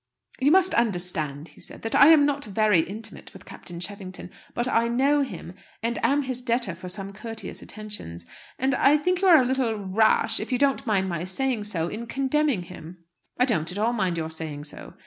"You must understand," he said, "that I am not very intimate with Captain Cheffington; but I know him, and am his debtor for some courteous attentions. And I think you are a little rash, if you don't mind my saying so, in condemning him." "I don't at all mind your saying so."